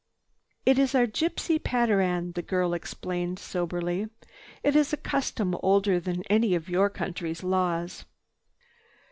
"It is our gypsy patteran," the girl explained soberly. "It is a custom older than any of your country's laws."